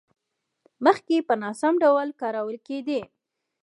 مخکې په ناسم ډول کارول کېدې.